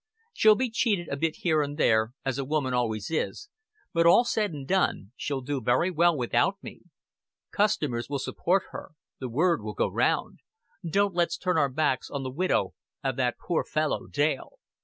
She'll be cheated a bit here and there, as a woman always is but, all said and done, she'll do very well without me. Customers will support her the word will go round. 'Don't let's turn our backs on the widow of that poor fellow Dale.'"